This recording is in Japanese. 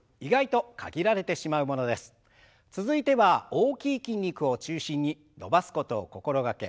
続いては大きい筋肉を中心に伸ばすことを心掛け